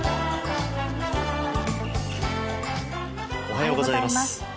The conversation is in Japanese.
おはようございます。